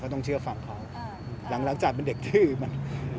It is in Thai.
ต้องเชื่อฟังเขาหลังจากเป็นเด็กดื้อมัน